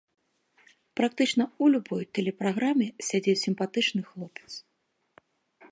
Практычна ў любой тэлепраграме сядзіць сімпатычны хлопец.